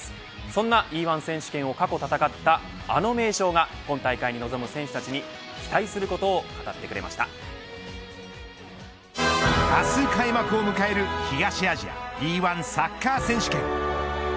そんなＥ‐１選手権を過去戦ったあの名将が今大会に臨む選手たちに期待することを明日、開幕を迎える東アジアＥ‐１サッカー選手権。